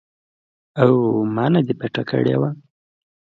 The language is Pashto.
او ما نه دې پټه کړې وه.